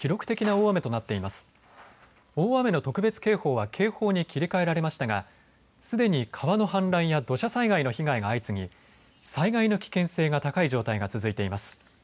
大雨の特別警報は警報に切り替えられましたがすでに川の氾濫や土砂災害の被害が相次ぎ、災害の危険性が高い状態が続いています。